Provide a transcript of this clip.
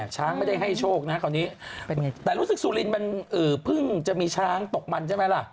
ช้างไม่ได้ให้โชคนะคราวนี้แต่รู้สึกสุรินมันเพิ่งจะมีช้างตกมันใช่ไหมล่ะ